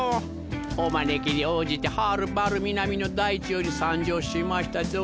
お招きに応じてはるばる南の大地より参上しましたぞ。